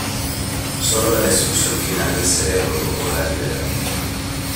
Sólo la destrucción final del cerebro lo podrá liberar.